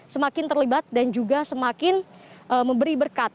semakin terlibat dan juga semakin memberi berkat